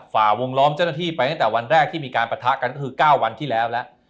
ฝ่าวงล้อมเจ้าหน้าที่ไปตั้งแต่วันแรกที่มีการปะทะกันก็คือ๙วันที่แล้วแล้ว